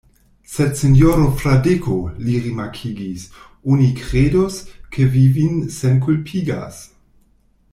Sed sinjoro Fradeko, li rimarkigis, oni kredus, ke vi vin senkulpigas.